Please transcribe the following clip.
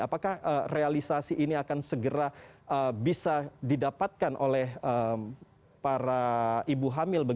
apakah realisasi ini akan segera bisa didapatkan oleh para ibu hamil